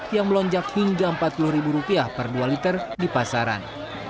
yang melonjak hingga rp empat puluh per dua liter di pasaran